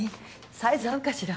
サイズ合うかしら？